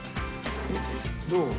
どう？